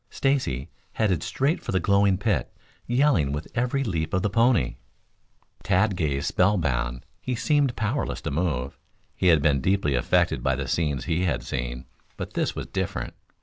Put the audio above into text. Stacy headed straight for the glowing pit, yelling with every leap of the pony. Tad gazed spellbound. He seemed powerless to move. He had been deeply affected by the scenes he had seen; but this was different.